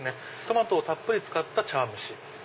トマトをたっぷり使った茶わん蒸し。